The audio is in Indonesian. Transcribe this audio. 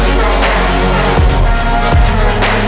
aku mau ngeliatin apaan